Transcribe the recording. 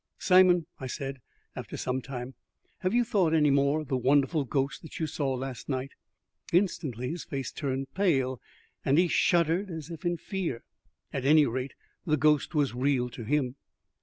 "Simon," I said, after some time, "have you thought any more of the wonderful ghost that you saw last night?" Instantly his face turned pale, and he shuddered as if in fear. At any rate, the ghost was real to him.